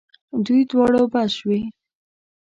دوی دواړو بس شوې.